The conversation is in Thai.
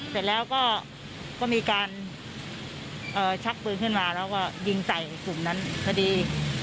เสร็จแล้วก็มีการชักปืนขึ้นมาแล้วก็ยิงใส่กลุ่มนั้นพอดี